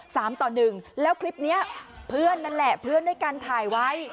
ต่อหนึ่งแล้วคลิปเนี้ยเพื่อนนั่นแหละเพื่อนด้วยกันถ่ายไว้